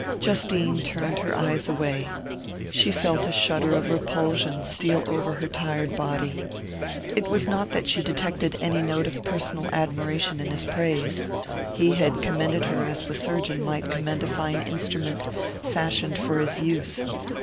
Justine turned her eyes away: she felt a shudder of repulsion steal over her tired body. It was not that she detected any note of personal admiration in his praise he had commended her as the surgeon might commend a fine instrument fashioned for his use.